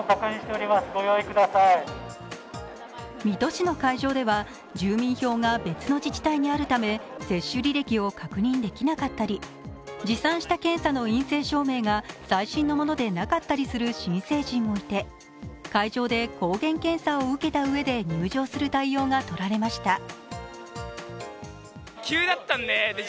水戸市の会場では、住民票が別の自治体にあるため接種履歴を確認できなかったり、持参した検査の陰性証明が最新のものでなかったりする新成人もいて会場で抗原検査を受けた上で入場する対応がとられました。